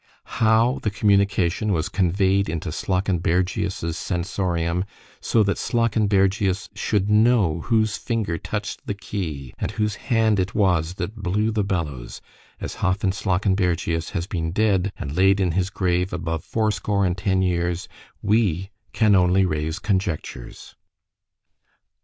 How the communication was conveyed into Slawkenbergius's sensorium——so that Slawkenbergius should know whose finger touch'd the key—and whose hand it was that blew the bellows—as Hafen Slawkenbergius has been dead and laid in his grave above fourscore and ten years——we can only raise conjectures.